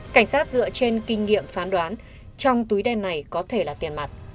cảnh sát dựa trên kinh nghiệm phán đoán trong túi đen này có thể là tiền mặt